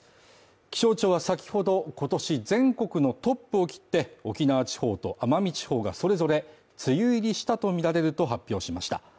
気象庁はさきほど、今年全国のトップを切って沖縄地方と奄美地方がそれぞれ梅雨入りしたとみられると発表しました。